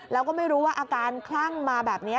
แล้วก็ไม่รู้ว่าอาการคลั่งมาแบบนี้